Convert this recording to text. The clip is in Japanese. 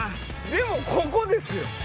でもここですよ！